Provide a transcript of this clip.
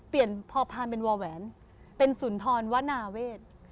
เปลี่ยนพ่อพ่านเป็นวาแหวนเป็นสุนทรวนาเวต